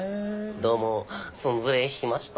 どうもすんずれいしました。